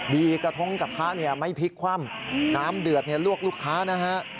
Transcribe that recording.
กระทงกระทะเนี่ยไม่พลิกคว่ำน้ำเดือดลวกลูกค้านะฮะ